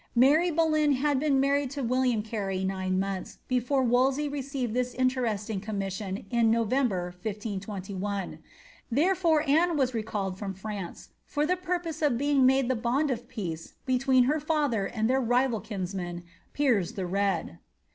Ahry Boleyn had been married to WiUiaiP Carey nine months before Wolsey receired this interesting commissioD in November 1581 ; therefore Anne was recalled from France for the purpose of being made the bond of peace between her fiither and their rival kinsman, Piers the Red.'